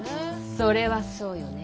それはそうよね。